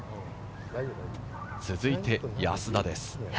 続いて安田です。